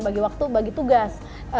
bagi waktu bagi tugas